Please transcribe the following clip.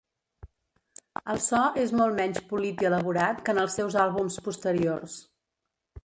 El so és molt menys polit i elaborat que en els seus àlbums posteriors.